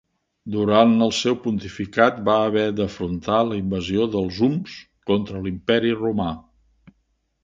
Durant el seu pontificat va haver d'afrontar la invasió dels Huns contra l'imperi romà.